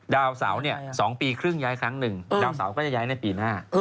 ดาวเสาร์๒ปีครึ่งย้ายครั้งหนึ่งดาวเสาร์ก็จะย้ายในปีหน้า